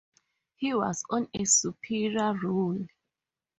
He was on a superior role.